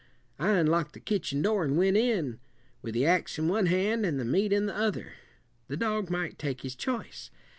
I unlocked the kitchen door and went in, with the ax in one hand and the meat in the other. The dog might take his choice.